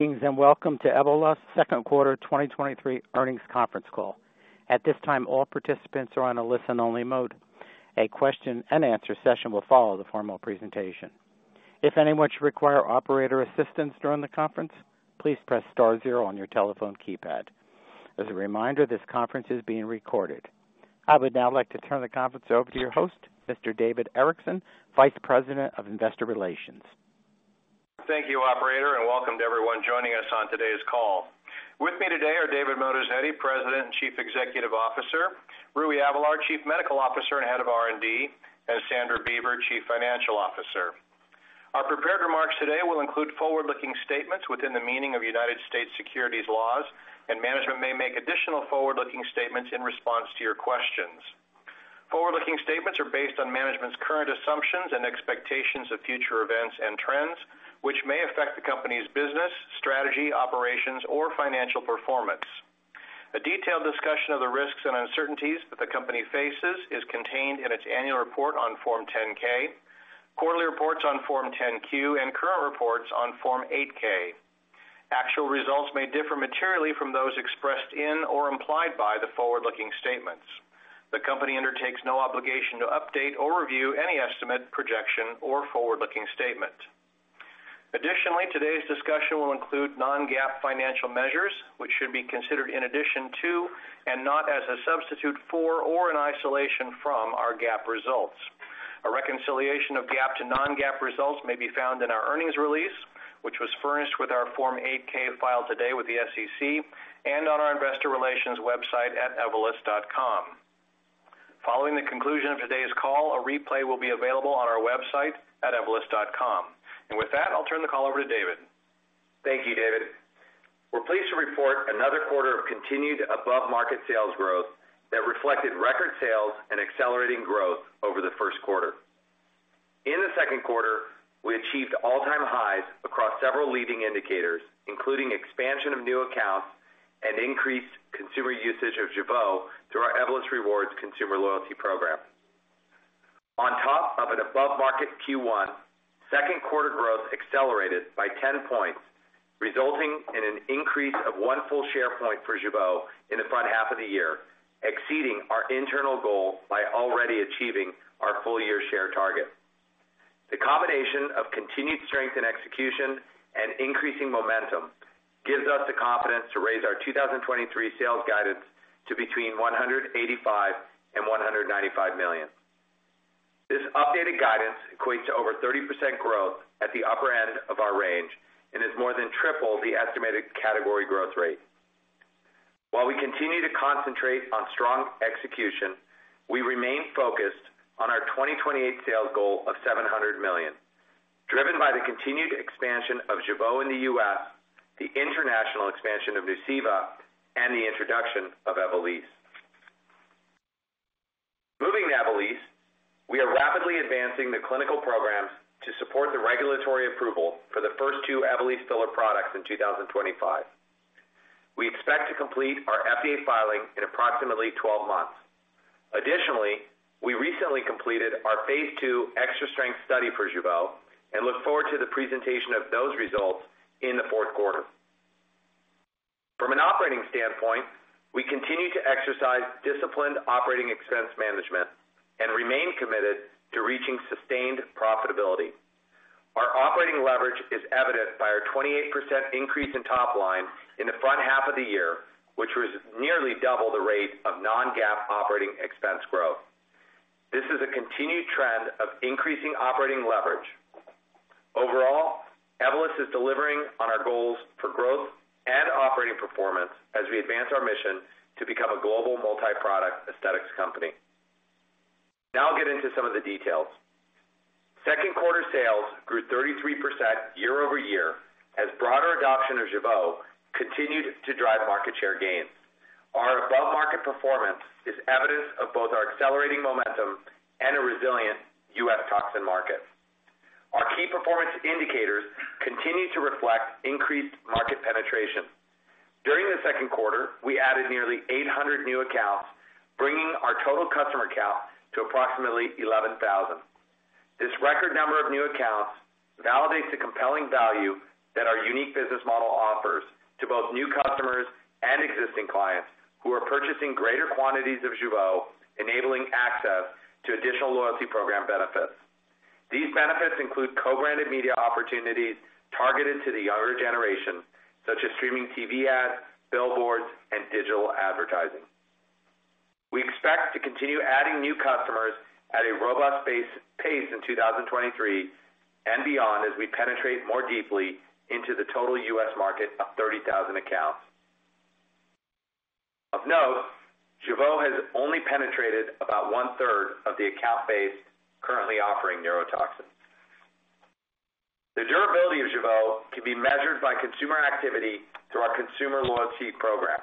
Good evening, and welcome to Evolus second quarter 2023 earnings conference call. At this time, all participants are on a listen-only mode. A question-and-answer session will follow the formal presentation. If anyone should require operator assistance during the conference, please press star zero on your telephone keypad. As a reminder, this conference is being recorded. I would now like to turn the conference over to your host, Mr. David Erickson, Vice President, Investor Relations. Thank you, operator, and welcome to everyone joining us on today's call. With me today are David Moatazedi, President and Chief Executive Officer, Rui Avelar, Chief Medical Officer and Head of R&D, and Sandra Beaver, Chief Financial Officer. Our prepared remarks today will include forward-looking statements within the meaning of United States securities laws, and management may make additional forward-looking statements in response to your questions. Forward-looking statements are based on management's current assumptions and expectations of future events and trends, which may affect the company's business, strategy, operations, or financial performance. A detailed discussion of the risks and uncertainties that the company faces is contained in its annual report on Form 10-K, quarterly reports on Form 10-Q, and current reports on Form 8-K. Actual results may differ materially from those expressed in or implied by the forward-looking statements. The company undertakes no obligation to update or review any estimate, projection, or forward-looking statement. Additionally, today's discussion will include non-GAAP financial measures, which should be considered in addition to, and not as a substitute for or in isolation from, our GAAP results. A reconciliation of GAAP to non-GAAP results may be found in our earnings release, which was furnished with our Form 8-K filed today with the SEC and on our investor relations website at evolus.com. Following the conclusion of today's call, a replay will be available on our website at evolus.com. With that, I'll turn the call over to David. Thank you, David. We're pleased to report another quarter of continued above-market sales growth that reflected record sales and accelerating growth over the first quarter. In the second quarter, we achieved all-time highs across several leading indicators, including expansion of new accounts and increased consumer usage of Jeuveau through our Evolus Rewards consumer loyalty program. On top of an above-market Q1, second quarter growth accelerated by 10 points, resulting in an increase of one full share point for Jeuveau in the front half of the year, exceeding our internal goal by already achieving our full-year share target. The combination of continued strength in execution and increasing momentum gives us the confidence to raise our 2023 sales guidance to between $185 million and $195 million. This updated guidance equates to over 30% growth at the upper end of our range and is more than triple the estimated category growth rate. While we continue to concentrate on strong execution, we remain focused on our 2028 sales goal of $700 million, driven by the continued expansion of Jeuveau in the U.S., the international expansion of Nuceiva, and the introduction of Evolysse. Moving to Evolysse, we are rapidly advancing the clinical programs to support the regulatory approval for the first two Evolysse filler products in 2025. We expect to complete our FDA filing in approximately 12 months. Additionally, we recently completed our phase II extra-strength study for Jeuveau and look forward to the presentation of those results in the fourth quarter. From an operating standpoint, we continue to exercise disciplined operating expense management and remain committed to reaching sustained profitability. Our operating leverage is evident by our 28% increase in top line in the front half of the year, which was nearly double the rate of non-GAAP operating expense growth. This is a continued trend of increasing operating leverage. Overall, Evolus is delivering on our goals for growth and operating performance as we advance our mission to become a global multi-product aesthetics company. Now I'll get into some of the details. Second quarter sales grew 33% year-over-year, as broader adoption of Jeuveau continued to drive market share gains. Our above-market performance is evidence of both our accelerating momentum and a resilient U.S. toxin market. Our key performance indicators continue to reflect increased market penetration. During the second quarter, we added nearly 800 new accounts, bringing our total customer count to approximately 11,000. This record number of new accounts validates the compelling value that our unique business model offers to both new customers and existing clients who are purchasing greater quantities of Jeuveau, enabling access to additional loyalty program benefits. These benefits include co-branded media opportunities targeted to the younger generation, such as streaming TV ads, billboards, and digital advertising. We expect to continue adding new customers at a robust pace in 2023 and beyond as we penetrate more deeply into the total U.S. market of 30,000 accounts. Of note, Jeuveau has only penetrated about one-third of the account base currently offering neurotoxins. The durability of Jeuveau can be measured by consumer activity through our consumer loyalty program.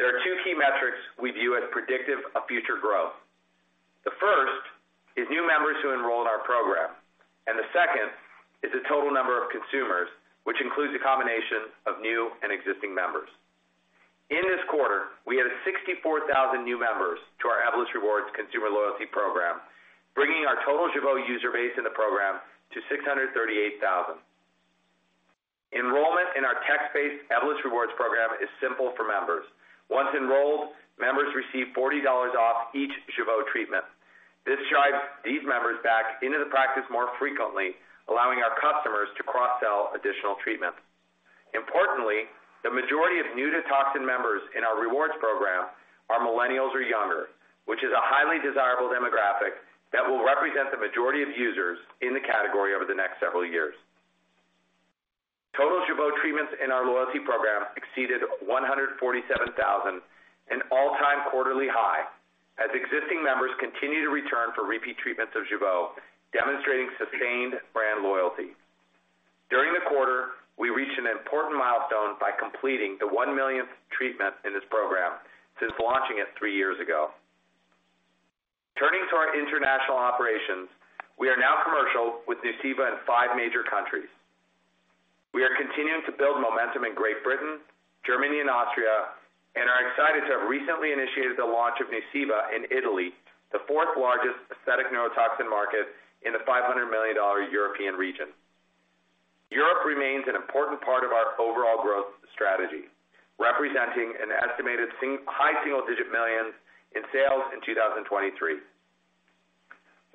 There are two key metrics we view as predictive of future growth. The first is new members who enroll in our program, and the second is the total number of consumers, which includes a combination of new and existing members. In this quarter, we added 64,000 new members to our Evolus Rewards consumer loyalty program, bringing our total Jeuveau user base in the program to 638,000. Enrollment in our text-based Evolus Rewards program is simple for members. Once enrolled, members receive $40 off each Jeuveau treatment. This drives these members back into the practice more frequently, allowing our customers to cross-sell additional treatments. Importantly, the majority of new to toxin members in our rewards program are millennials or younger, which is a highly desirable demographic that will represent the majority of users in the category over the next several years. Total Jeuveau treatments in our loyalty program exceeded 147,000, an all-time quarterly high, as existing members continue to return for repeat treatments of Jeuveau, demonstrating sustained brand loyalty. During the quarter, we reached an important milestone by completing the 1 millionth treatment in this program since launching it three years ago. Turning to our international operations, we are now commercial with Nuceiva in five major countries. We are continuing to build momentum in Great Britain, Germany, and Austria, are excited to have recently initiated the launch of Nuceiva in Italy, the fourth largest aesthetic neurotoxin market in the $500 million European region. Europe remains an important part of our overall growth strategy, representing an estimated high single digit millions in sales in 2023.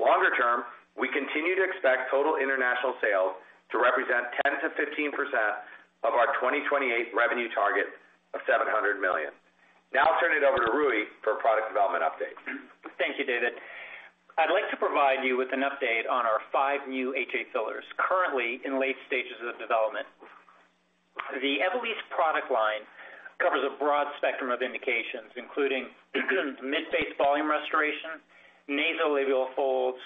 Longer term, we continue to expect total international sales to represent 10%-15% of our 2028 revenue target of $700 million. Now I'll turn it over to Rui for a product development update. Thank you, David. I'd like to provide you with an update on our five new HA fillers, currently in late stages of development. The Evolysse product line covers a broad spectrum of indications, including mid-face volume restoration, nasolabial folds,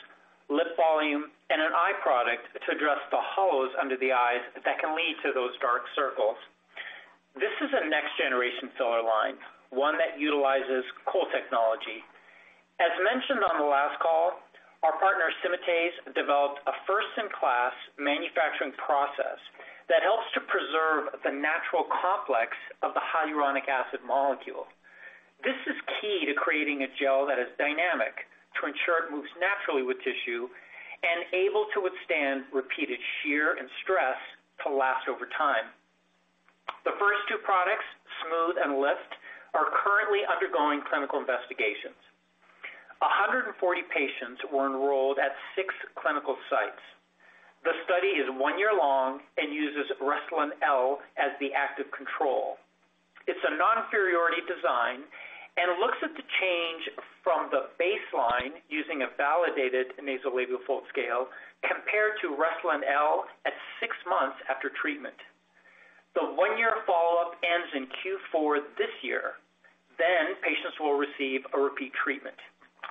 lip volume, and an eye product to address the hollows under the eyes that can lead to those dark circles. This is a next-generation filler line, one that utilizes cool technology. As mentioned on the last call, our partner, Symatese, developed a first-in-class manufacturing process that helps to preserve the natural complex of the hyaluronic acid molecule. This is key to creating a gel that is dynamic, to ensure it moves naturally with tissue, and able to withstand repeated shear and stress to last over time. The first two products, Smooth and Lift, are currently undergoing clinical investigations. 140 patients were enrolled at six clinical sites. The study is one year long and uses Restylane-L as the active control. It's a non-inferiority design and looks at the change from the baseline using a validated nasolabial fold scale compared to Restylane-L at six months after treatment. The one-year follow-up ends in Q4 this year. Patients will receive a repeat treatment.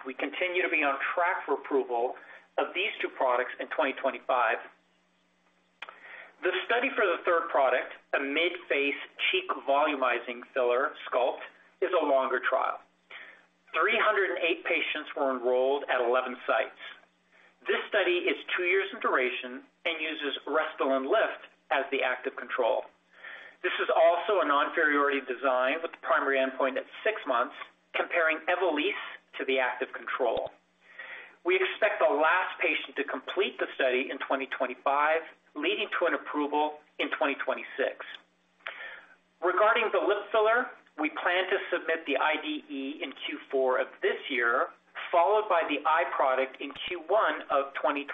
We continue to be on track for approval of these tow products in 2025. The study for the third product, a midface cheek volumizing filler, Sculpt, is a longer trial. 308 patients were enrolled at 11 sites. This study is two years in duration and uses Restylane-Lyft as the active control. This is also a non-inferiority design, with the primary endpoint at six months, comparing Evolysse to the active control. We expect the last patient to complete the study in 2025, leading to an approval in 2026. Regarding the lip filler, we plan to submit the IDE in Q4 of this year, followed by the eye product in Q1 of 2024,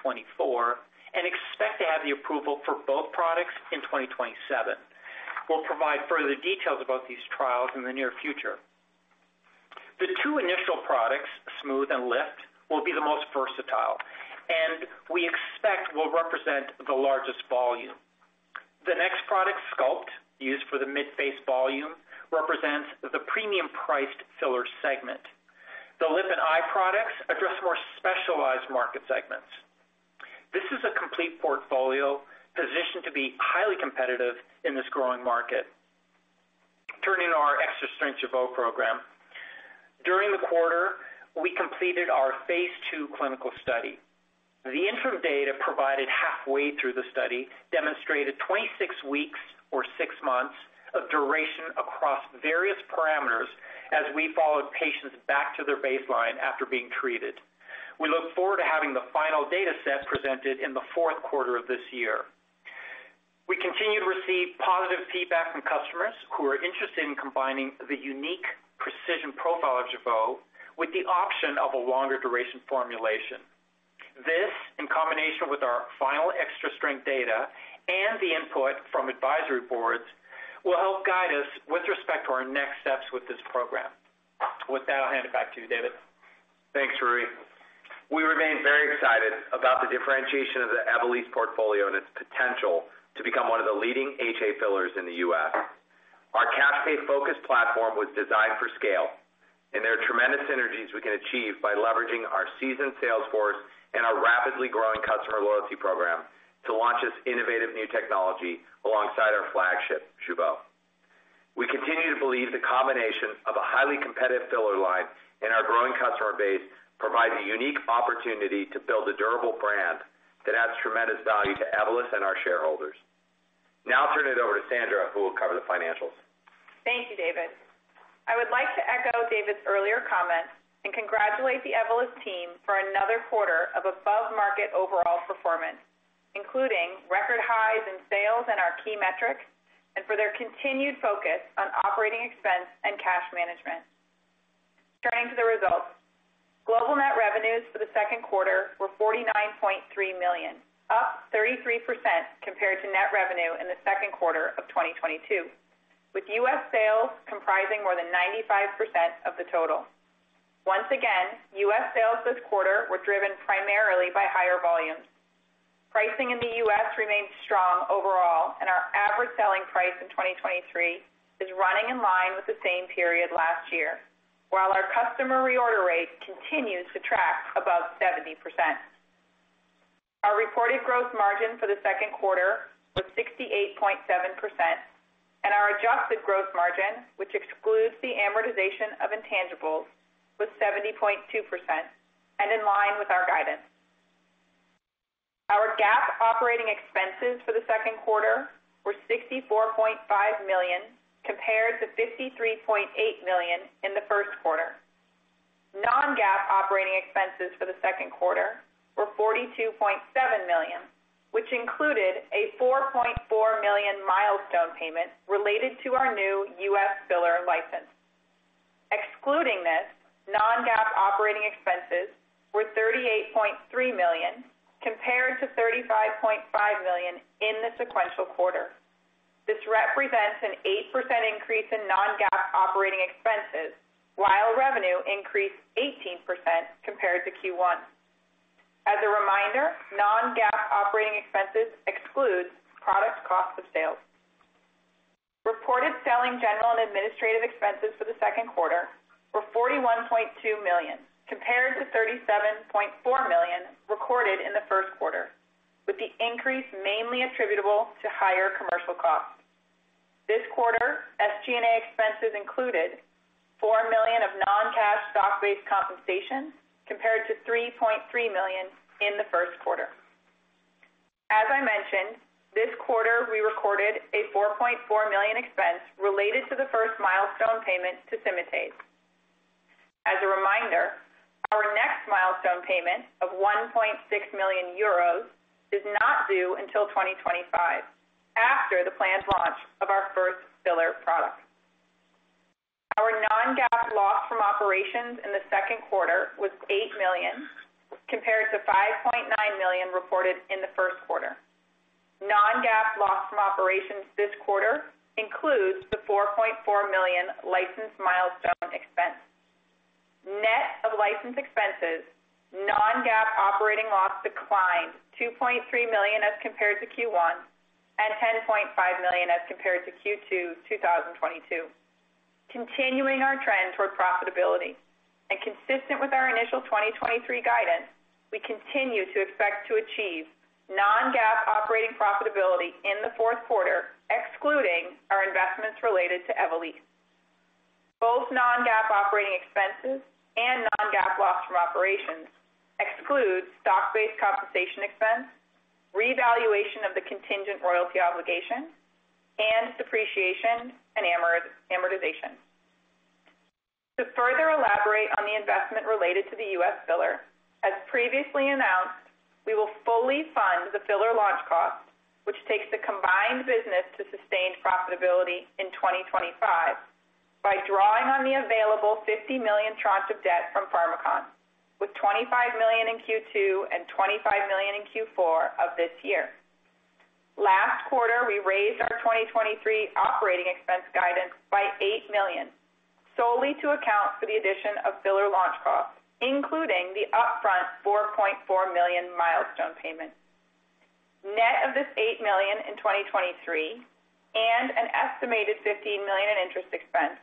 and expect to have the approval for both products in 2027. We'll provide further details about these trials in the near future. The two initial products, Smooth and Lift, will be the most versatile and we expect will represent the largest volume. The next product, Sculpt, used for the mid-face volume, represents the premium priced filler segment. The lip and eye products address more specialized market segments. This is a complete portfolio positioned to be highly competitive in this growing market. Turning to our extra-strength Jeuveau program. During the quarter, we completed our phase II clinical study. The interim data provided halfway through the study demonstrated 26 weeks or six months of duration across various parameters as we followed patients back to their baseline after being treated. We look forward to having the final data set presented in the fourth quarter of this year. We continue to receive positive feedback from customers who are interested in combining the unique precision profile of Jeuveau with the option of a longer duration formulation. This, in combination with our final extra-strength data and the input from advisory boards, will help guide us with respect to our next steps with this program. With that, I'll hand it back to you, David. Thanks, Rui. We remain very excited about the differentiation of the Evolysse portfolio and its potential to become one of the leading HA fillers in the U.S. Our cash-based focused platform was designed for scale, there are tremendous synergies we can achieve by leveraging our seasoned sales force and our rapidly growing customer loyalty program to launch this innovative new technology alongside our flagship, Jeuveau. We continue to believe the combination of a highly competitive filler line and our growing customer base provides a unique opportunity to build a durable brand that adds tremendous value to Evolysse and our shareholders. I'll turn it over to Sandra, who will cover the financials. Thank you, David. I would like to echo David's earlier comments and congratulate the Evolus team for another quarter of above-market overall performance, including record highs in sales and our key metrics, and for their continued focus on operating expense and cash management. Turning to the results. Global net revenues for the second quarter were $49.3 million, up 33% compared to net revenue in the second quarter of 2022, with U.S. sales comprising more than 95% of the total. Once again, U.S. sales this quarter were driven primarily by higher volumes. Pricing in the U.S. remains strong overall. Our average selling price in 2023 is running in line with the same period last year, while our customer reorder rate continues to track above 70%. Our reported gross margin for the second quarter was 68.7%, and our adjusted gross margin, which excludes the amortization of intangibles, was 70.2% and in line with our guidance. Our GAAP operating expenses for the second quarter were $64.5 million, compared to $53.8 million in the first quarter. Non-GAAP operating expenses for the second quarter were $42.7 million, which included a $4.4 million milestone payment related to our new U.S. filler license. Excluding this, non-GAAP operating expenses were $38.3 million, compared to $35.5 million in the sequential quarter. This represents an 8% increase in non-GAAP operating expenses, while revenue increased 18% compared to Q1. As a reminder, non-GAAP operating expenses exclude product cost of sales. Reported selling, general, and administrative expenses for the second quarter were $41.2 million, compared to $37.4 million recorded in the first quarter, with the increase mainly attributable to higher commercial costs. This quarter, SG&A expenses included $4 million of non-cash stock-based compensation, compared to $3.3 million in the first quarter. As I mentioned, this quarter, we recorded a $4.4 million expense related to the first milestone payment to Symatese. As a reminder, our next milestone payment of 1.6 million euros is not due until 2025, after the planned launch of our first filler product. Our non-GAAP loss from operations in the second quarter was $8 million, compared to $5.9 million reported in the first quarter. Non-GAAP loss from operations this quarter includes the $4.4 million license milestone expense. Net of license expenses, non-GAAP operating loss declined $2.3 million as compared to Q1 and $10.5 million as compared to Q2, 2022. Continuing our trend toward profitability and consistent with our initial 2023 guidance, we continue to expect to achieve non-GAAP operating profitability in the fourth quarter, excluding our investments related to Evolysse. Both non-GAAP operating expenses and non-GAAP loss from operations exclude stock-based compensation expense, revaluation of the contingent royalty obligation, and depreciation and amortization. To further elaborate on the investment related to the U.S. filler, as previously announced, we will fully fund the filler launch cost, which takes the combined business to sustained profitability in 2025, by drawing on the available $50 million tranche of debt from Pharmakon, with $25 million in Q2 and $25 million in Q4 of this year. Last quarter, we raised our 2023 OpEx guidance by $8 million, solely to account for the addition of filler launch costs, including the upfront $4.4 million milestone payment. Net of this $8 million in 2023 and an estimated $15 million in interest expense,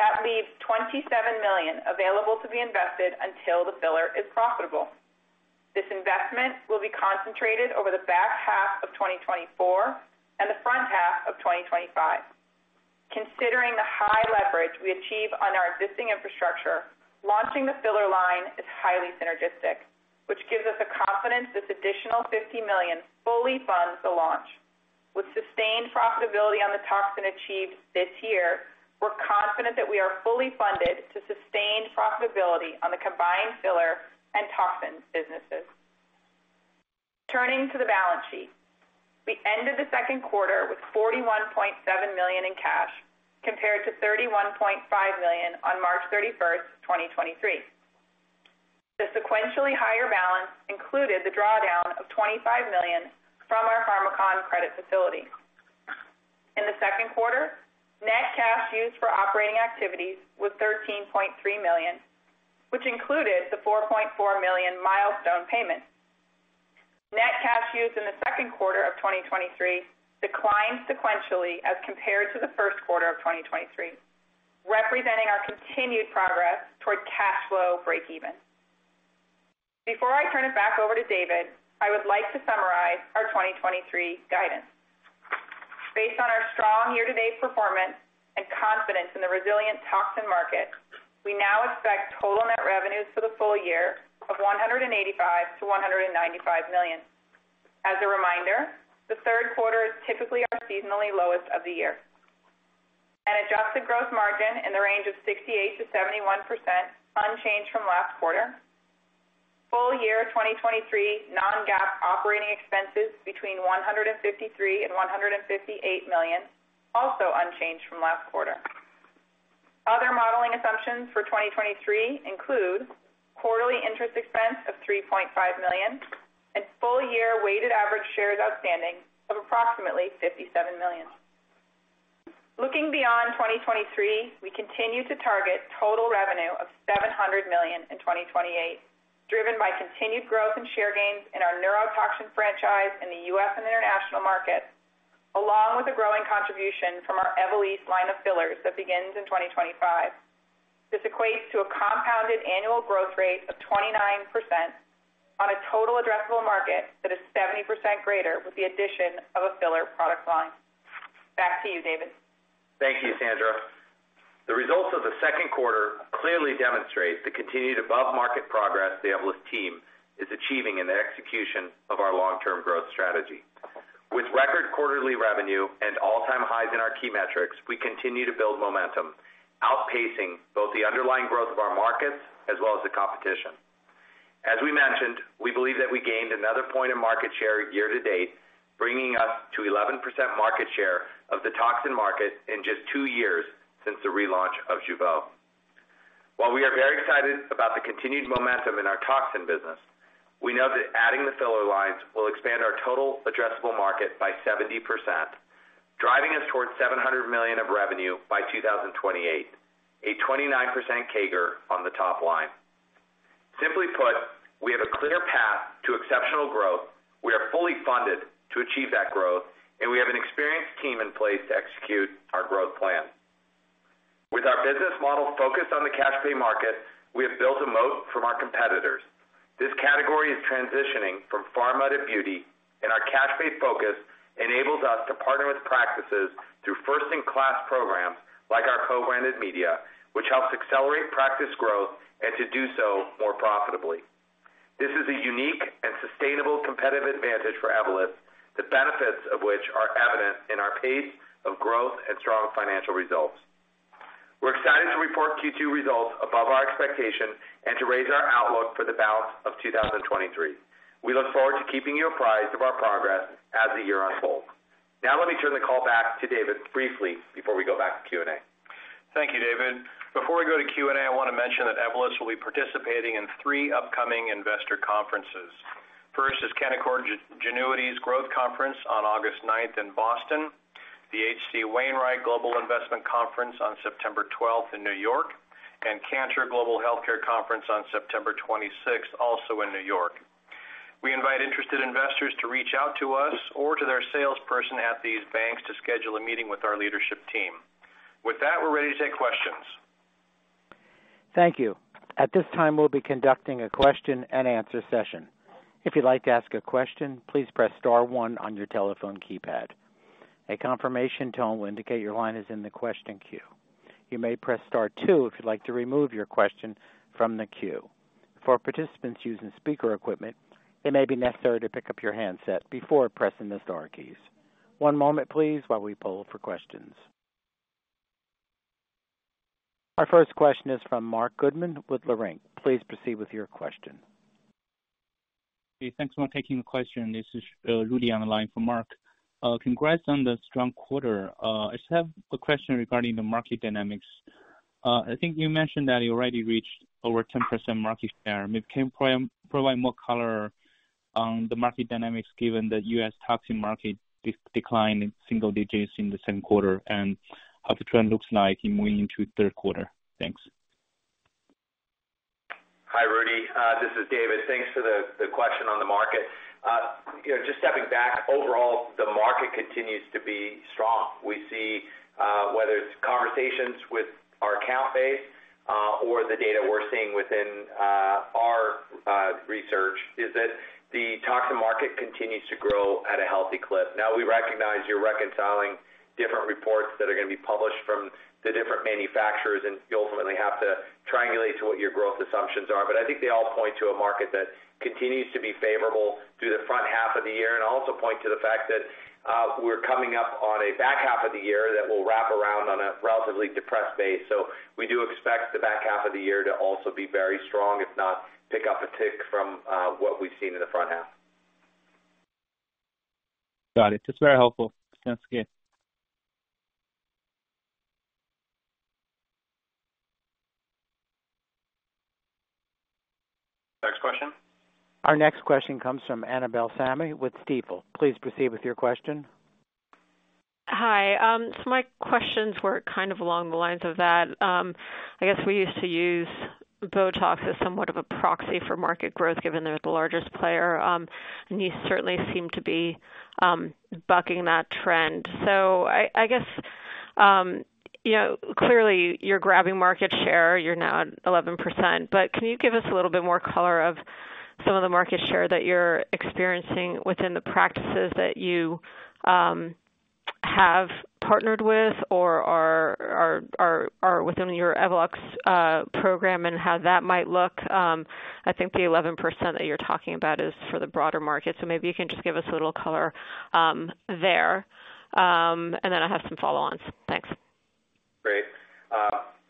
that leaves $27 million available to be invested until the filler is profitable. This investment will be concentrated over the back half of 2024 and the front half of 2025. Considering the high leverage we achieve on our existing infrastructure, launching the filler line is highly synergistic, which gives us the confidence this additional $50 million fully funds the launch. With sustained profitability on the toxin achieved this year, we're confident that we are fully funded to sustain profitability on the combined filler and toxin businesses. Turning to the balance sheet. We ended the second quarter with $41.7 million in cash, compared to $31.5 million on March 31st, 2023. The sequentially higher balance included the drawdown of $25 million from our Pharmakon credit facility. In the second quarter, net cash used for operating activities was $13.3 million, which included the $4.4 million milestone payment. Net cash used in the second quarter of 2023 declined sequentially as compared to the first quarter of 2023, representing our continued progress toward cash flow breakeven. Before I turn it back over to David, I would like to summarize our 2023 guidance. Based on our strong year-to-date performance and confidence in the resilient toxin market, we now expect total net revenues for the full year of $185 million-$195 million. The third quarter is typically our seasonally lowest of the year. An adjusted gross margin in the range of 68%-71%, unchanged from last quarter. Full year 2023, non-GAAP operating expenses between $153 million and $158 million, also unchanged from last quarter. Other modeling assumptions for 2023 include quarterly interest expense of $3.5 million and full year weighted average shares outstanding of approximately 57 million. Looking beyond 2023, we continue to target total revenue of $700 million in 2028, driven by continued growth and share gains in our neurotoxin franchise in the U.S. and international markets, along with the growing contribution from our Evolysse line of fillers that begins in 2025. This equates to a compounded annual growth rate of 29% on a total addressable market that is 70% greater with the addition of a filler product line. Back to you, David. Thank you, Sandra. The results of the second quarter clearly demonstrate the continued above market progress the Evolus team is achieving in their execution of our long-term growth strategy. With record quarterly revenue and all-time highs in our key metrics, we continue to build momentum, outpacing both the underlying growth of our markets as well as the competition. As we mentioned, we believe that we gained another point of market share year to date, bringing us to 11% market share of the toxin market in just two years since the relaunch of Jeuveau. While we are very excited about the continued momentum in our toxin business, we know that adding the filler lines will expand our total addressable market by 70%, driving us towards $700 million of revenue by 2028, a 29% CAGR on the top line. Simply put, we have a clear path to exceptional growth. We are fully funded to achieve that growth, and we have an experienced team in place to execute our growth plan. With our business model focused on the cash pay market, we have built a moat from our competitors. This category is transitioning from pharma to beauty, and our cash pay focus enables us to partner with practices through first-in-class programs like our co-branded media, which helps accelerate practice growth and to do so more profitably. This is a unique and sustainable competitive advantage for Evolus, the benefits of which are evident in our pace of growth and strong financial results. We're excited to report Q2 results above our expectation and to raise our outlook for the balance of 2023. We look forward to keeping you apprised of our progress as the year unfolds. Now, let me turn the call back to David briefly before we go back to Q&A. Thank you, David. Before we go to Q&A, I want to mention that Evolus will be participating in three upcoming investor conferences. First is Canaccord Genuity's Growth Conference on August 9th in Boston, the HC Wainwright Global Investment Conference on September 12th in New York, and Cantor Global Healthcare Conference on September 26th, also in New York. We invite interested investors to reach out to us or to their salesperson at these banks to schedule a meeting with our leadership team. With that, we're ready to take questions. Thank you. At this time, we'll be conducting a question and answer session. If you'd like to ask a question, please press star one on your telephone keypad. A confirmation tone will indicate your line is in the question queue. You may press star two if you'd like to remove your question from the queue. For participants using speaker equipment, it may be necessary to pick up your handset before pressing the star keys. One moment, please, while we poll for questions. Our first question is from Marc Goodman with Leerink. Please proceed with your question. Hey, thanks for taking the question. This is Rudy on the line for Mark. Congrats on the strong quarter. I just have a question regarding the market dynamics. I think you mentioned that you already reached over 10% market share. Maybe can provide more color on the market dynamics, given the U.S. toxin market declined in single digits in the same quarter, and how the trend looks like in moving into third quarter? Thanks. Hi, Rudy. This is David. Thanks for the, the question on the market. You know, just stepping back, overall, the market continues to be strong. We see, whether it's conversations with our account base, or the data we're seeing within, our research, is that the toxin market continues to grow at a healthy clip. Now, we recognize you're reconciling different reports that are gonna be published from the different manufacturers, and you ultimately have to triangulate to what your growth assumptions are. I think they all point to a market that continues to be favorable through the front half of the year, and also point to the fact that we're coming up on a back half of the year that will wrap around on a relatively depressed base. We do expect the back half of the year to also be very strong, if not pick up a tick from what we've seen in the front half. Got it. It's very helpful. Sounds good. Next question. Our next question comes from Annabel Samimy with Stifel. Please proceed with your question. Hi. My questions were kind of along the lines of that. I guess we used to use Botox as somewhat of a proxy for market growth, given they're the largest player, and you certainly seem to be bucking that trend. I, I guess, you know, clearly you're grabbing market share. You're now at 11%, but can you give us a little bit more color of some of the market share that you're experiencing within the practices that you have partnered with or are, are, are, are within your Evolus program and how that might look. I think the 11% that you're talking about is for the broader market. Maybe you can just give us a little color there. Then I have some follow-ons. Thanks. Great.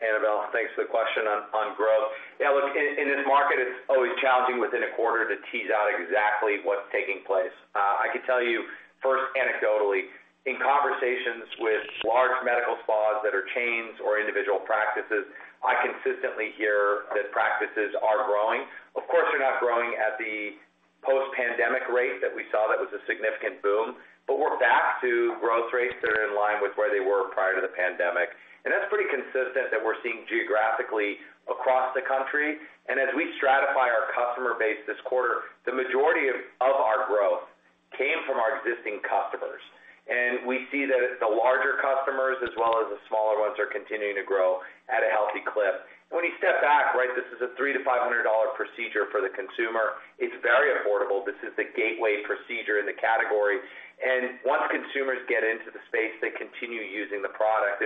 Annabel, thanks for the question on, on growth. Yeah, look, in, in this market, it's always challenging within a quarter to tease out exactly what's taking place. I can tell you first anecdotally, in conversations with large medical spas that are chains or individual practices, I consistently hear that practices are growing. Of course, they're not growing at the post-pandemic rate that we saw. That was a significant boom. We're back to growth rates that are in line with where they were prior to the pandemic. That's pretty consistent that we're seeing geographically across the country. As we stratify our customer base this quarter, the majority of, of our growth came from our existing customers. We see that the larger customers, as well as the smaller ones, are continuing to grow at a healthy clip. When you step back, right, this is a $300-$500 procedure for the consumer. It's very affordable. This is the gateway procedure in the category, and once consumers get into the space, they continue using the product.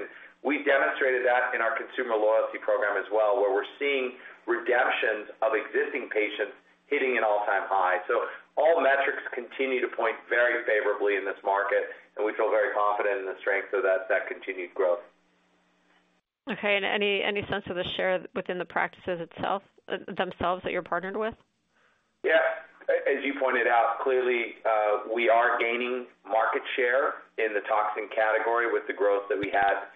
We demonstrated that in our consumer loyalty program as well, where we're seeing redemptions of existing patients hitting an all-time high. All metrics continue to point very favorably in this market, and we feel very confident in the strength of that, that continued growth. Okay, any, any sense of the share within the practices itself, themselves that you're partnered with? Yeah. As you pointed out, clearly, we are gaining market share in the toxin category with the growth that we had,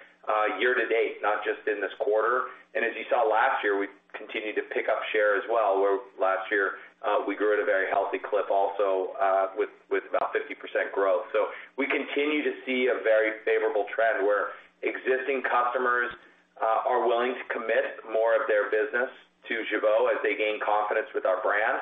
year to date, not just in this quarter. As you saw last year, we continued to pick up share as well, where last year, we grew at a very healthy clip also, with, with about 50% growth. We continue to see a very favorable trend where existing customers are willing to commit more of their business to Jeuveau as they gain confidence with our brand,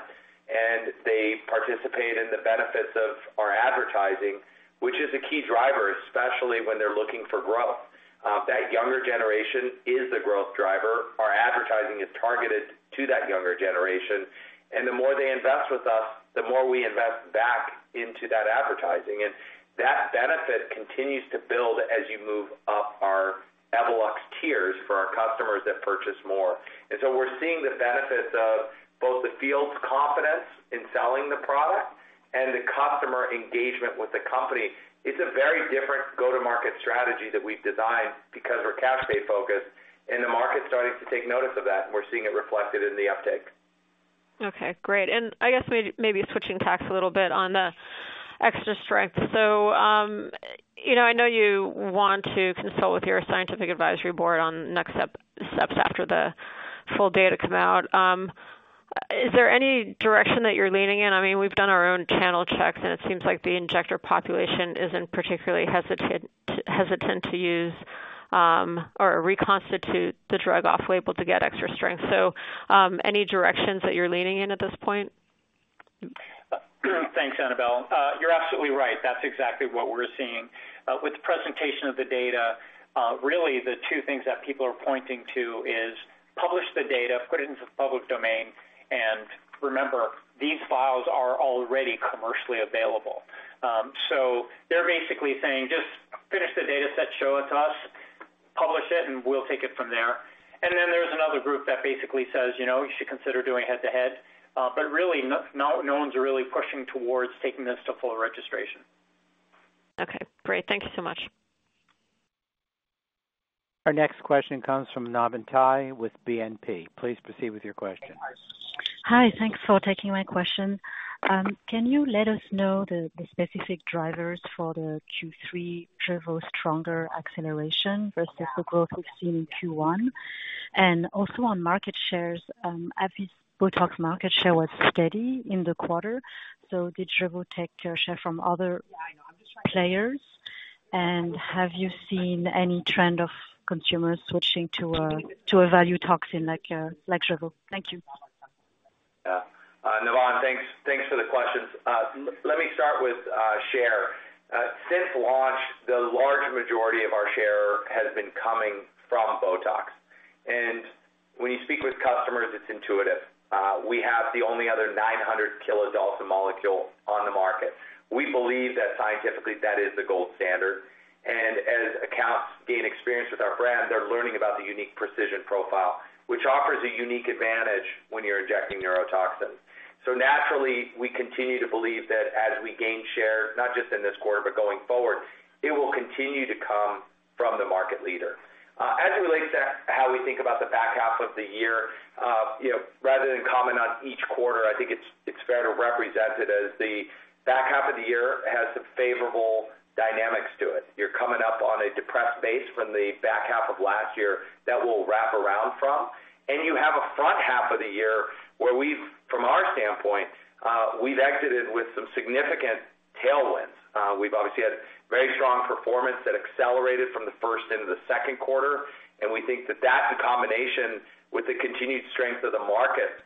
and they participate in the benefits of our advertising, which is a key driver, especially when they're looking for growth. That younger generation is the growth driver. Our advertising is targeted to that younger generation, and the more they invest with us, the more we invest back into that advertising. That benefit continues to build as you move up our Evolus tiers for our customers that purchase more. We're seeing the benefits of both the field's confidence in selling the product and the customer engagement with the company. It's a very different go-to-market strategy that we've designed because we're cash-based focused, and the market's starting to take notice of that, and we're seeing it reflected in the uptake. Okay, great. I guess maybe switching tacks a little bit on the extra strength. You know, I know you want to consult with your scientific advisory board on next steps after the full data come out. Is there any direction that you're leaning in? I mean, we've done our own channel checks, and it seems like the injector population isn't particularly hesitant to use, or reconstitute the drug off label to get extra strength. Any directions that you're leaning in at this point? Thanks, Annabel. You're absolutely right. That's exactly what we're seeing. With the presentation of the data, really, the two things that people are pointing to is publish the data, put it into the public domain, and remember, these files are already commercially available. They're basically saying, "Just finish the dataset, show it to us, publish it, and we'll take it from there." Then there's another group that basically says, "You know, you should consider doing head-to-head," but really, no one's really pushing towards taking this to full registration. Okay, great. Thank you so much. Our next question comes from Navann Ty with BNP. Please proceed with your question. Hi, thanks for taking my question. Can you let us know the specific drivers for the Q3 Jeuveau stronger acceleration versus the growth we've seen in Q1? Also on market shares, AbbVie's Botox market share was steady in the quarter. Did Jeuveau take share from other players? Have you seen any trend of consumers switching to a value toxin like Jeuveau? Thank you. Yeah. Navann, thanks, thanks for the questions. Let me start with share. Since launch, the large majority of our share has been coming from Botox. When you speak with customers, it's intuitive. We have the only other 900 kilodalton molecule on the market. We believe that scientifically, that is the gold standard. As accounts gain experience with our brand, they're learning about the unique precision profile, which offers a unique advantage when you're injecting neurotoxin. Naturally, we continue to believe that as we gain share, not just in this quarter, but going forward, it will continue to come from the market leader. As it relates to how we think about the back half of the year, you know, rather than comment on each quarter, I think it's, it's fair to represent it as the back half of the year has some favorable dynamics to it. You're coming up on a depressed base from the back half of last year that we'll wrap around from. You have a front half of the year where from our standpoint, we've exited with some significant tailwinds. We've obviously had very strong performance that accelerated from the first into the second quarter. We think that that, in combination with the continued strength of the market,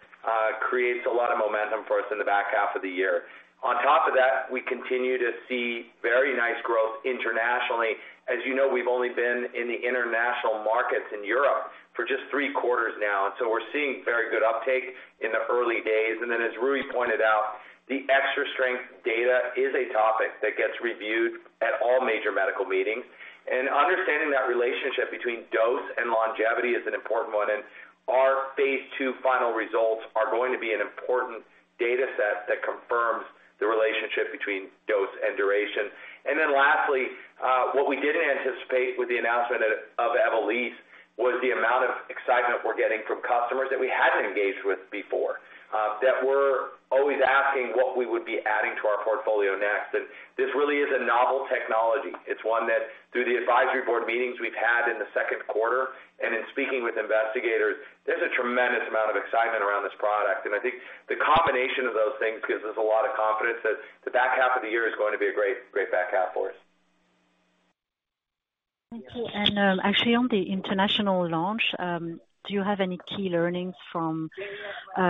creates a lot of momentum for us in the back half of the year. On top of that, we continue to see very nice growth internationally. As you know, we've only been in the international markets in Europe for just three quarters now, and so we're seeing very good uptake in the early days. As Rui pointed out, the extra strength data is a topic that gets reviewed at all major medical meetings, and understanding that relationship between dose and longevity is an important one. Our phase II final results are going to be an important data set that confirms the relationship between dose and duration. Lastly, what we didn't anticipate with the announcement of Evolysse was the amount of excitement we're getting from customers that we hadn't engaged with before, that were always asking what we would be adding to our portfolio next. This really is a novel technology. It's one that, through the advisory board meetings we've had in the second quarter and in speaking with investigators, there's a tremendous amount of excitement around this product. I think the combination of those things gives us a lot of confidence that the back half of the year is going to be a great, great back half for us. Thank you. Actually, on the international launch, do you have any key learnings from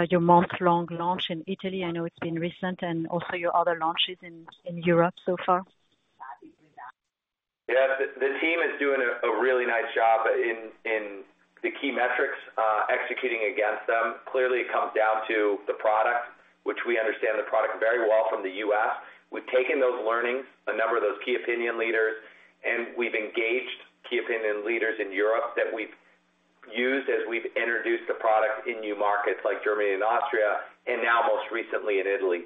your month-long launch in Italy? I know it's been recent, and also your other launches in Europe so far. Yeah, the, the team is doing a, a really nice job in, in the key metrics, executing against them. Clearly, it comes down to the product, which we understand the product very well from the U.S. We've taken those learnings, a number of those key opinion leaders, and we've engaged key opinion leaders in Europe that we've used as we've introduced the product in new markets like Germany and Austria, and now most recently in Italy.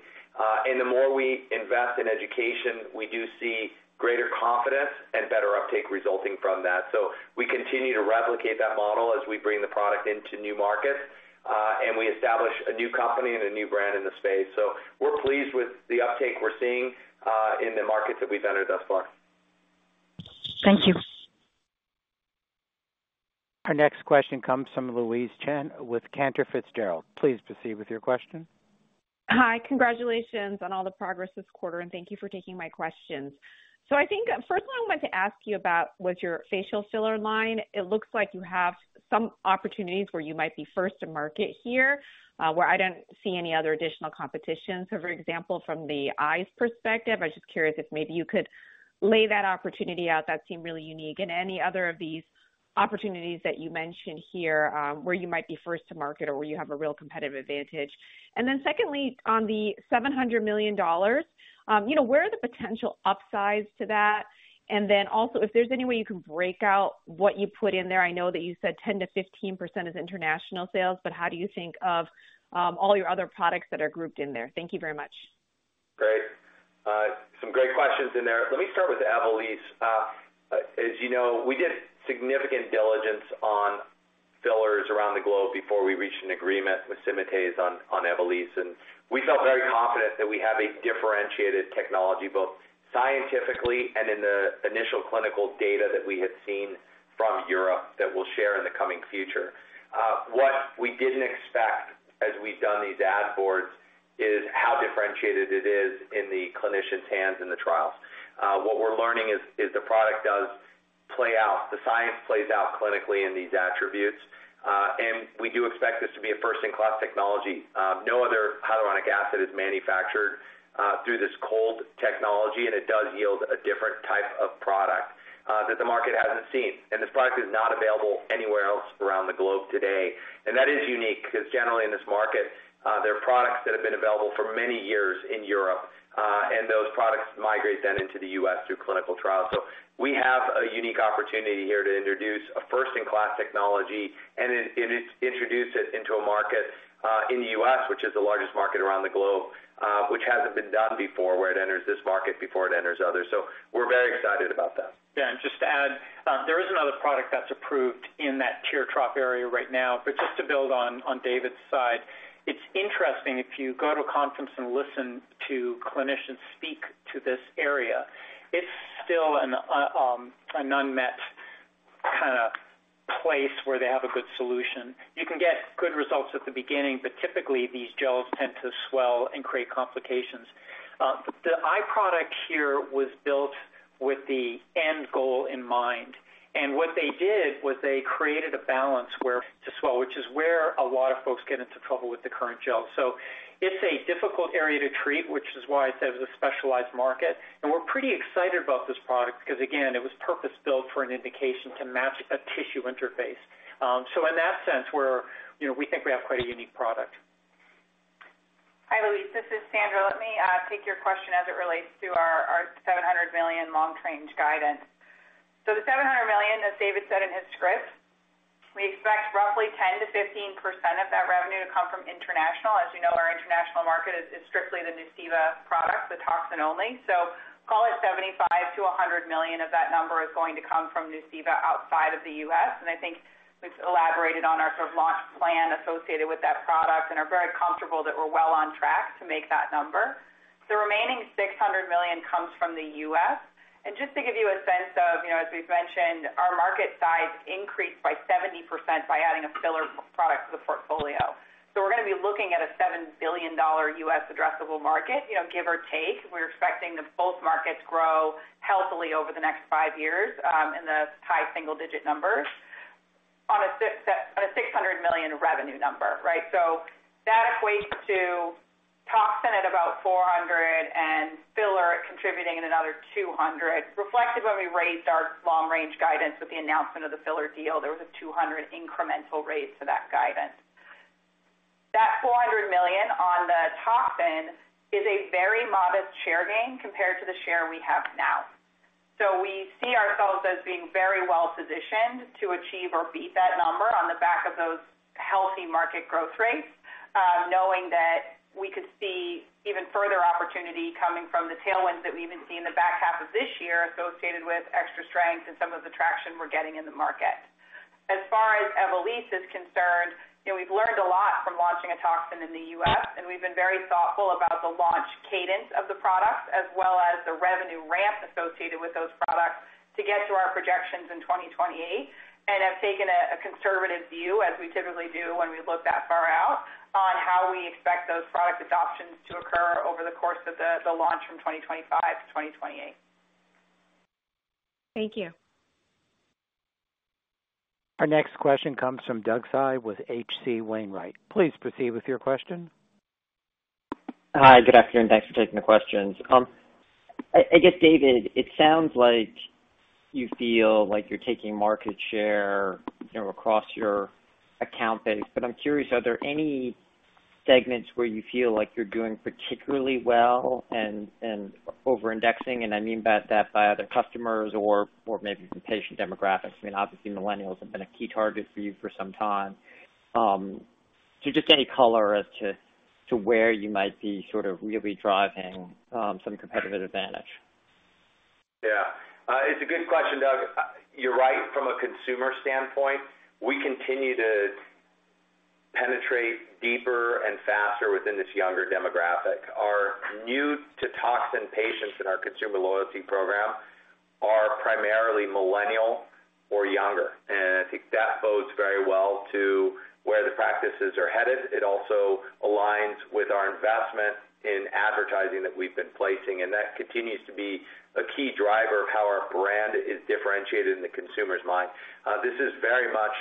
The more we invest in education, we do see greater confidence and better uptake resulting from that. We continue to replicate that model as we bring the product into new markets, and we establish a new company and a new brand in the space. We're pleased with the uptake we're seeing, in the markets that we've entered thus far. Thank you. Our next question comes from Louise Chen with Cantor Fitzgerald. Please proceed with your question. Hi, congratulations on all the progress this quarter, and thank you for taking my questions. I think first what I wanted to ask you about was your facial filler line. It looks like you have some opportunities where you might be first to market here, where I don't see any other additional competition. for example, from the eyes perspective, I'm just curious if maybe you could lay that opportunity out that seemed really unique and any other of these opportunities that you mentioned here, where you might be first to market or where you have a real competitive advantage. then secondly, on the $700 million, you know, where are the potential upsides to that? then also, if there's any way you can break out what you put in there. I know that you said 10%-15% is international sales, but how do you think of all your other products that are grouped in there? Thank you very much. Great. Some great questions in there. Let me start with Evolysse. As you know, we did significant diligence on fillers around the globe before we reached an agreement with Symatese on, on Evolysse, and we felt very confident that we have a differentiated technology, both scientifically and in the initial clinical data that we had seen from Europe that we'll share in the coming future. What we didn't expect as we've done these ad boards is how differentiated it is in the clinician's hands in the trials. What we're learning is, is the product does play out, the science plays out clinically in these attributes, and we do expect this to be a first-in-class technology. No other hyaluronic acid is manufactured through this cold technology, and it does yield a different type of product that the market hasn't seen. This product is not available anywhere else around the globe today. That is unique because generally in this market, there are products that have been available for many years in Europe, and those products migrate then into the U.S. through clinical trials. We have a unique opportunity here to introduce a first-in-class technology and introduce it into a market in the U.S., which is the largest market around the globe, which hasn't been done before, where it enters this market before it enters others. We're very excited about that. Yeah, just to add, there is another product that's approved in that tear trough area right now. Just to build on, on David's side, it's interesting, if you go to a conference and listen to clinicians speak to this area, it's still an unmet kind of place where they have a good solution. You can get good results at the beginning, but typically, these gels tend to swell and create complications. The eye product here was built with the end goal in mind, and what they did was they created a balance where to swell, which is where a lot of folks get into trouble with the current gel. It's a difficult area to treat, which is why I said it's a specialized market, and we're pretty excited about this product because, again, it was purpose-built for an indication to match a tissue interface. So in that sense, we're, you know, we think we have quite a unique product. Hi, Louise, this is Sandra. Let me take your question as it relates to our, our $700 million long-range guidance. The $700 million, as David said in his script, we expect roughly 10%-15% of that revenue to come from international. As you know, our international market is, is strictly the Nuceiva product, the toxin only. Call it $75 million-$100 million of that number is going to come from Nuceiva outside of the U.S. I think we've elaborated on our sort of launch plan associated with that product and are very comfortable that we're well on track to make that number. The remaining $600 million comes from the U.S. Just to give you a sense of, you know, as we've mentioned, our market size increased by 70% by adding a filler product to the portfolio. We're going to be looking at a $7 billion U.S. addressable market, you know, give or take. We're expecting that both markets grow healthily over the next five years, in the high single-digit numbers on a $600 million revenue number, right? That equates to toxin at about $400 and filler contributing in another $200, reflective when we raised our long range guidance with the announcement of the filler deal, there was a $200 incremental raise to that guidance. That $400 million on the toxin is a very modest share gain compared to the share we have now. We see ourselves as being very well positioned to achieve or beat that number on the back of those healthy market growth rates, knowing that we could see even further opportunity coming from the tailwinds that we even see in the back half of this year, associated with extra strength and some of the traction we're getting in the market. As far as Evolysse is concerned, you know, we've learned a lot from launching a toxin in the U.S., and we've been very thoughtful about the launch cadence of the products as well as the revenue ramp associated with those products to get to our projections in 2028, and have taken a conservative view, as we typically do when we look that far out, on how we expect those product adoptions to occur over the course of the, the launch from 2025 to 2028. Thank you. Our next question comes from Doug Tsao, with H.C. Wainwright. Please proceed with your question. Hi, good afternoon, thanks for taking the questions. I, I guess, David, it sounds like you feel like you're taking market share, you know, across your account base. I'm curious, are there any segments where you feel like you're doing particularly well and, and over-indexing? I mean that, that by other customers or, or maybe the patient demographics. I mean, obviously, millennials have been a key target for you for some time. Just any color as to, to where you might be sort of really driving, some competitive advantage. Yeah. It's a good question, Doug. You're right. From a consumer standpoint, we continue to penetrate deeper and faster within this younger demographic. Our new-to-toxin patients in our consumer loyalty program are primarily millennial or younger. I think that bodes very well to where the practices are headed. It also aligns with our investment in advertising that we've been placing. That continues to be a key driver of how our brand is differentiated in the consumer's mind. This is very much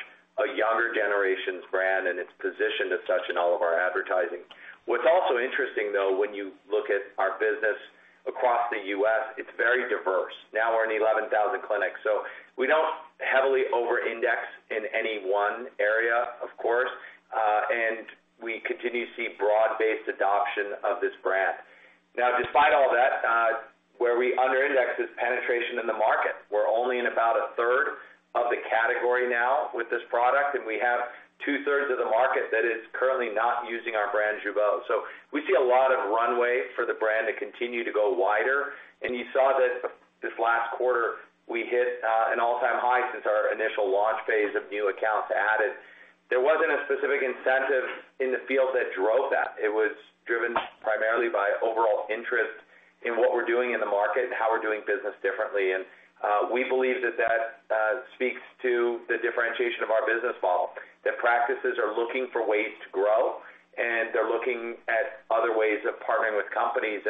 a younger generation's brand. It's positioned as such in all of our advertising. What's also interesting, though, when you look at our business across the U.S., it's very diverse. Now we're in 11,000 clinics, so we don't heavily over-index in any one area, of course, and we continue to see broad-based adoption of this brand. Despite all that, where we under-index is penetration in the market. We're only in about a third of the category now with this product, and we have two-thirds of the market that is currently not using our brand, Jeuveau. We see a lot of runway for the brand to continue to go wider. You saw that this last quarter, we hit an all-time high since our initial launch phase of new accounts added. There wasn't a specific incentive in the field that drove that. It was driven primarily by overall interest in what we're doing in the market and how we're doing business differently. We believe that that speaks to the differentiation of our business model, that practices are looking for ways to grow, and they're looking at other ways of partnering with companies.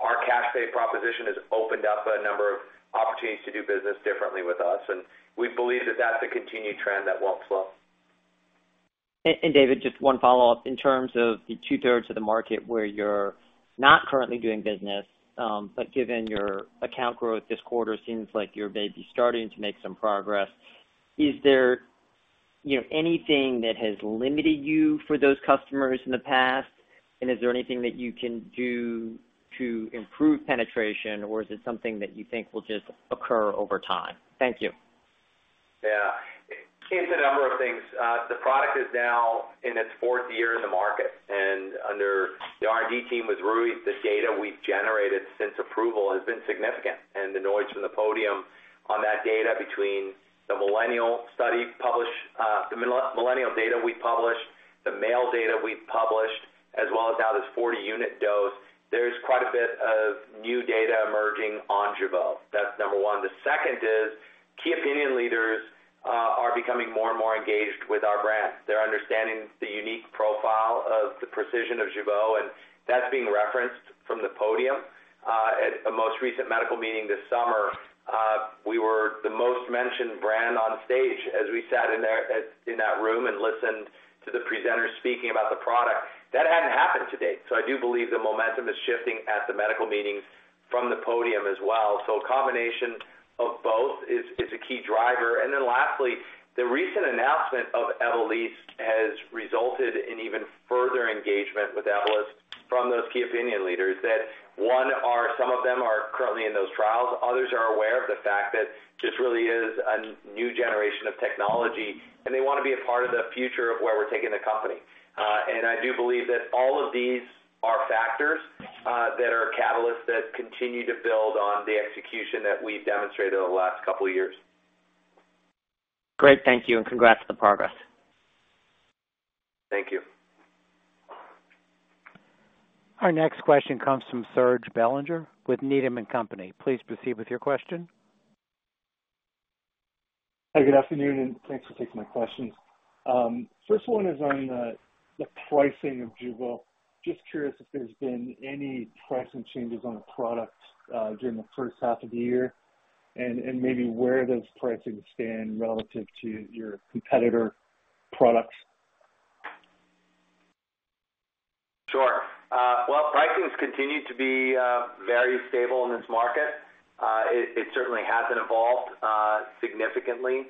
Our cash pay proposition has opened up a number of opportunities to do business differently with us, and we believe that that's a continued trend that won't slow. David, just one follow-up. In terms of the two-thirds of the market where you're not currently doing business, but given your account growth this quarter, seems like you're maybe starting to make some progress. Is there, you know, anything that has limited you for those customers in the past, and is there anything that you can do to improve penetration, or is it something that you think will just occur over time? Thank you. Yeah. It's a number of things. The product is now in its fourth year in the market, and under the R&D team with Rui, the data we've generated since approval has been significant. The noise from the podium on that data between the millennial study published, the millennial data we published, the male data we published, as well as now this 40-unit dose, there's quite a bit of new data emerging on Jeuveau. That's number one. The second is, key opinion leaders are becoming more and more engaged with our brand. They're understanding the unique profile of the precision of Jeuveau, and that's being referenced from the podium. At a most recent medical meeting this summer, we were the most mentioned brand on stage as we sat in there, in that room and listened to the presenters speaking about the product. That hadn't happened to date. I do believe the momentum is shifting at the medical meetings from the podium as well. A combination of both is a key driver. Lastly, the recent announcement of Evolysse has resulted in even further engagement with Evolus from those key opinion leaders, that one, some of them are currently in those trials. Others are aware of the fact that this really is a new generation of technology, and they want to be a part of the future of where we're taking the company. I do believe that all of these are factors that are catalysts that continue to build on the execution that we've demonstrated over the last couple of years. Great. Thank you, and congrats on the progress. Thank you. Our next question comes from Serge Belanger with Needham & Company. Please proceed with your question. Hi, good afternoon, and thanks for taking my questions. First one is on the pricing of Jeuveau. Just curious if there's been any pricing changes on the product during the first half of the year, and maybe where those pricing stand relative to your competitor products? Sure. well, pricing has continued to be very stable in this market. it, it certainly hasn't evolved significantly.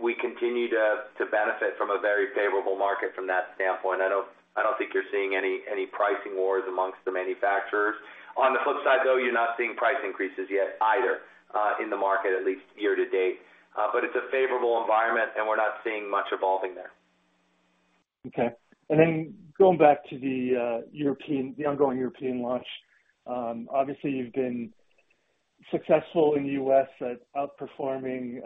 We continue to benefit from a very favorable market from that standpoint. I don't, I don't think you're seeing any, any pricing wars amongst the manufacturers. On the flip side, though, you're not seeing price increases yet either in the market, at least year to date. It's a favorable environment, and we're not seeing much evolving there. Okay. Then going back to the ongoing European launch. Obviously, you've been successful in the U.S. at outperforming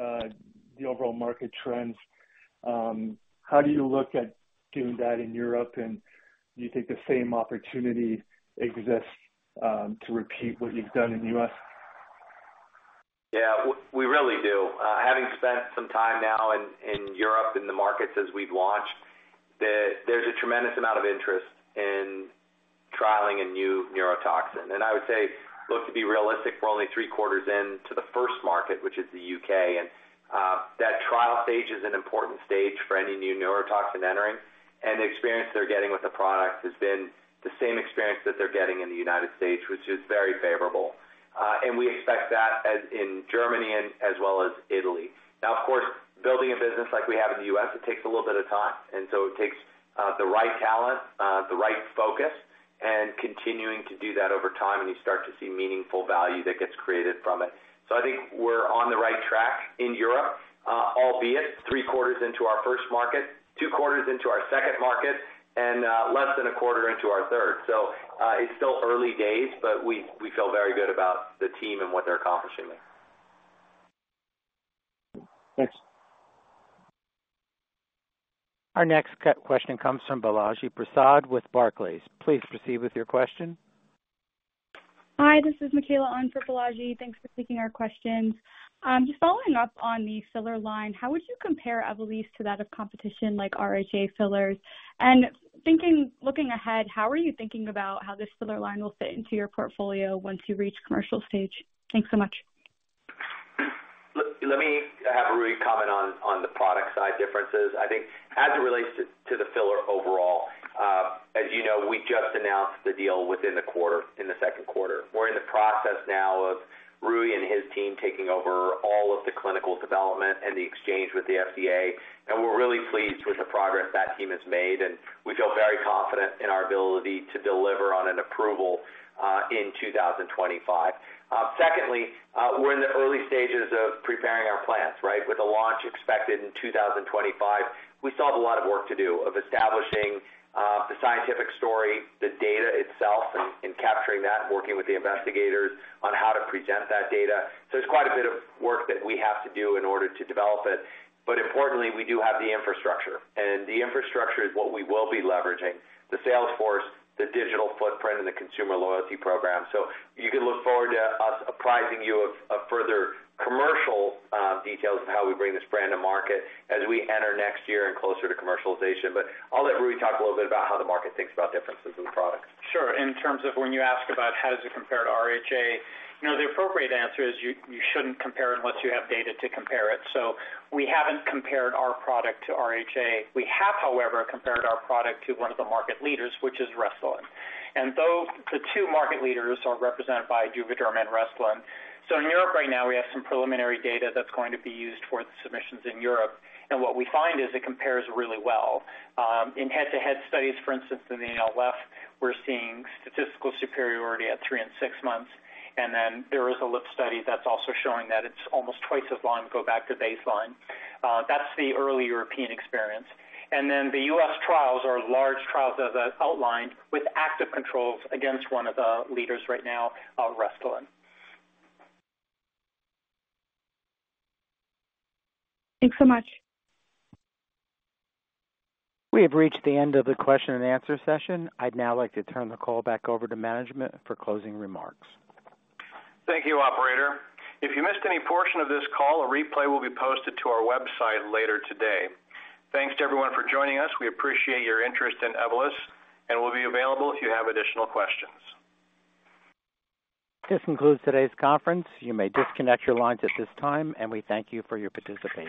the overall market trends. How do you look at doing that in Europe? Do you think the same opportunity exists to repeat what you've done in the U.S.? Yeah, we, we really do. Having spent some time now in, in Europe, in the markets as we've launched, there's a tremendous amount of interest in trialing a new neurotoxin. I would say, look, to be realistic, we're only three quarters in to the first market, which is the U.K. That trial stage is an important stage for any new neurotoxin entering. The experience they're getting with the product has been the same experience that they're getting in the U.S., which is very favorable. We expect that as in Germany and as well as Italy. Now, of course, building a business like we have in the U.S., it takes a little bit of time, and so it takes the right talent, the right focus, and continuing to do that over time, and you start to see meaningful value that gets created from it. I think we're on the right track in Europe, albeit three quarters into our first market, two quarters into our second market, and less than a quarter into our third. It's still early days, but we, we feel very good about the team and what they're accomplishing there. Thanks. Our next question comes from Balaji Prasad with Barclays. Please proceed with your question. Hi, this is Mikaela on for Balaji. Thanks for taking our questions. Just following up on the filler line, how would you compare Evolysse to that of competition like RHA fillers? Thinking, looking ahead, how are you thinking about how this filler line will fit into your portfolio once you reach commercial stage? Thanks so much. Look, let me have Rui comment on, on the product side differences. I think as it relates to, to the filler overall, as you know, we just announced the deal within the quarter, in the second quarter. We're in the process now of Rui and his team taking over all of the clinical development and the exchange with the FDA, and we're really pleased with the progress that team has made, and we feel very confident in our ability to deliver on an approval, in 2025. Secondly, we're in the early stages of preparing our plans, right? With a launch expected in 2025, we still have a lot of work to do of establishing, the scientific story, the data itself, and, and capturing that, working with the investigators on how to present that data. There's quite a bit of work that we have to do in order to develop it. Importantly, we do have the infrastructure, and the infrastructure is what we will be leveraging, the sales force, the digital footprint, and the consumer loyalty program. You can look forward to us apprising you of further commercial details of how we bring this brand to market as we enter next year and closer to commercialization. I'll let Rui talk a little bit about how the market thinks about differences in the products. Sure. In terms of when you ask about how does it compare to RHA, you know, the appropriate answer is you, you shouldn't compare unless you have data to compare it. We haven't compared our product to RHA. We have, however, compared our product to one of the market leaders, which is Restylane, and though the two market leaders are represented by Juvederm and Restylane. In Europe right now, we have some preliminary data that's going to be used for the submissions in Europe, and what we find is it compares really well. In head-to-head studies, for instance, in the NLF, we're seeing statistical superiority at three and six months, and then there is a lip study that's also showing that it's almost 2x as long to go back to baseline. That's the early European experience. Then the U.S. trials are large trials that outlined with active controls against one of the leaders right now, Restylane. Thanks so much. We have reached the end of the question and answer session. I'd now like to turn the call back over to management for closing remarks. Thank you, operator. If you missed any portion of this call, a replay will be posted to our website later today. Thanks to everyone for joining us. We appreciate your interest in Evolus, and we'll be available if you have additional questions. This concludes today's conference. You may disconnect your lines at this time. We thank you for your participation.